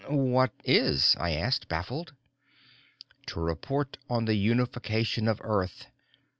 "What is?" I asked, baffled. "To report on the unification of Earth.